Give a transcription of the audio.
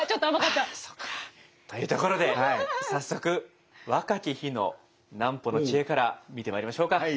あそっか。というところで早速若き日の南畝の知恵から見てまいりましょうか。